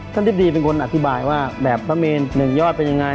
ทิบดีเป็นคนอธิบายว่าแบบพระเมน๑ยอดเป็นยังไง